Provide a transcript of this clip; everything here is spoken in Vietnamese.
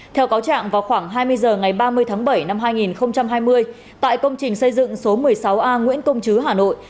theo cáo trạng vào khoảng hai mươi h ngày ba mươi tháng bảy năm hai nghìn hai mươi tại công trình xây dựng số một mươi sáu a nguyễn công chứ hà nội